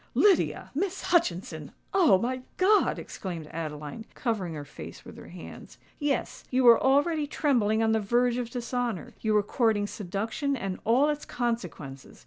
"Lydia—Miss Hutchinson! Oh! my God!" exclaimed Adeline, covering her face with her hands. "Yes—you were already trembling on the verge of dishonour—you were courting seduction and all its consequences!"